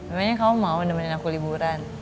makanya kamu mau nemenin aku liburan